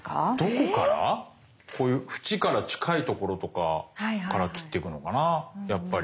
こういう縁から近いところとかから切ってくのかなやっぱり。